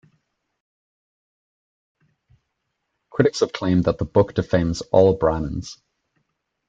Critics have claimed that the book defames all Brahmins.